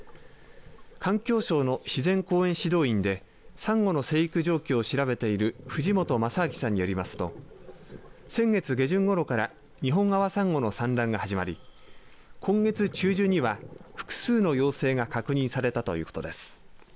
環境省の自然公園指導員でサンゴの成育状況を調べている藤本正明さんによりますと先月下旬ごろからニホンアワサンゴの産卵が始まり今月中旬には複数の幼生が確認されたということです。